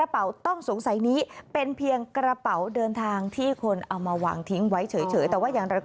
เป็นเพียงกระเป๋าเดินทางที่คนเอามาวางทิ้งไว้เฉย